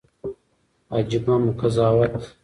عجيبه قضاوت